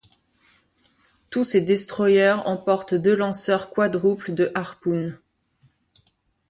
Tous ces destroyers emportent deux lanceurs quadruples de Harpoon.